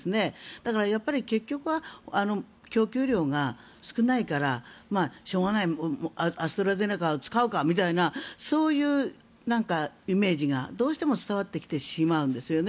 だから、結局は供給量が少ないからしょうがないアストラゼネカを使うかみたいなそういうイメージがどうしても伝わってきてしまうんですよね。